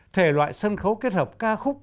thể loại sân khấu kết hợp ca khúc